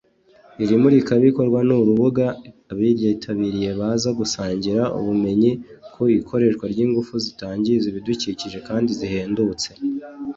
Iri murikabikorwa ni urubuga abaryitabiriye baza gusangira ubumenyi ku ikoreshwa ry’ingufu zitangiza ibidukikije kandi zihendutse